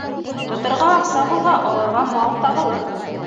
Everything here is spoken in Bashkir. Тоторға аҡса булһа, алырға мал табылыр.